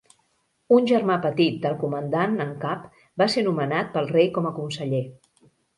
Un germà petit del comandant en cap va ser nomenat pel rei com a conseller.